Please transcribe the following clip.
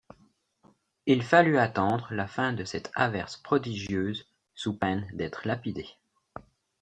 Il fallut attendre la fin de cette averse prodigieuse, sous peine d’être lapidé.